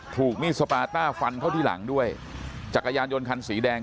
ถูกมีดสปาต้าฟันเข้าที่หลังด้วยจักรยานยนต์คันสีแดง